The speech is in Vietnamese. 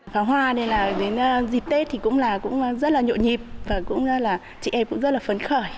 pháo hoa đến dịp tết thì cũng rất là nhộn nhịp và chị em cũng rất là phấn khởi